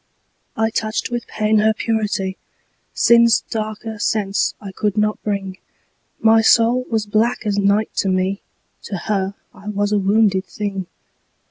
I touched with pain her purity; Sin's darker sense I could not bring: My soul was black as night to me: To her I was a wounded thing.